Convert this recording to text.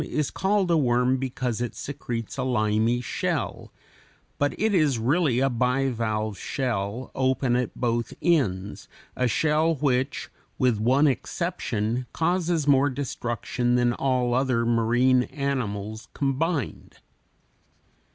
91) is called a worm because it secretes a limy shell, but it is really a bivalve shell open at both ends, a shell which with one exception causes more destruction than all other marine animals combined.